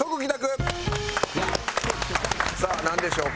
さあなんでしょうか？